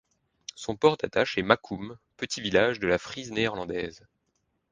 Son port d'attache est Makkum, petit village de la Frise néerlandaise.